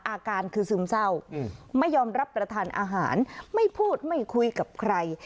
อาการคือซึมเศร้าไม่ยอมรับประทานอาหารไม่พูดไม่คุยกับใคร